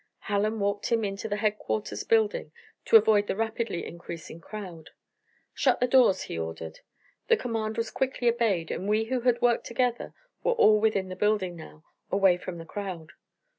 Hallen walked him into the headquarters building, to avoid the rapidly increasing crowd. "Shut the doors," he ordered. The command was quickly obeyed, and we who had worked together were all within the building now, away from the crowd.